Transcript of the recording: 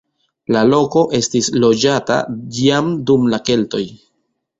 La loko estis loĝata jam dum la keltoj.